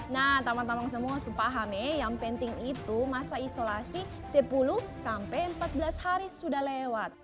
nah tambang tambang semua sepahami yang penting itu masa isolasi sepuluh sampai empat belas hari sudah lewat